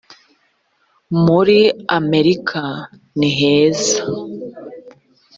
muri amerika niheza